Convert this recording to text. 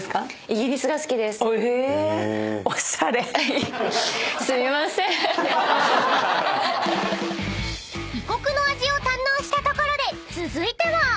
［異国の味を堪能したところで続いては］